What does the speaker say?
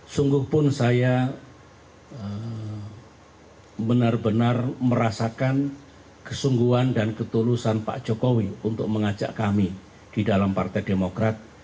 sungguh pun saya benar benar merasakan kesungguhan dan ketulusan pak jokowi untuk mengajak kami di dalam partai demokrat